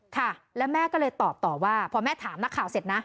ค่ะแล้วแม่ก็เลยตอบต่อว่าพอแม่ถามนักข่าวเสร็จนะ